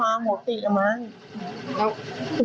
เอาหัวสีแต่ยังอื่นไม่เอาหัวสี